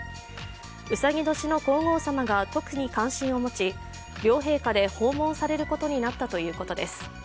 うさぎ年の皇后さまが特に関心を持ち、両陛下で訪問されることになったということです。